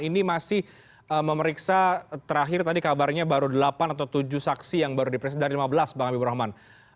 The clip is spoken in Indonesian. ini masih memeriksa terakhir tadi kabarnya baru delapan atau tujuh saksi yang baru diperiksa dari lima belas bang habibur rahman